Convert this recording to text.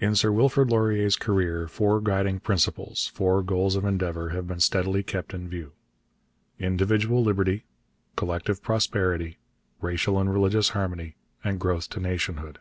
In Sir Wilfrid Laurier's career four guiding principles, four goals of endeavour, have been steadily kept in view individual liberty, collective prosperity, racial and religious harmony, and growth to nationhood.